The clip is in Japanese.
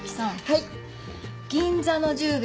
はい。